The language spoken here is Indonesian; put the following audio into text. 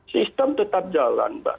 sistem tetap jalan mbak